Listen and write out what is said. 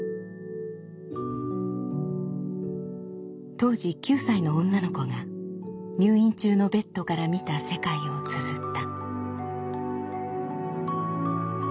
当時９歳の女の子が入院中のベッドから見た世界をつづった。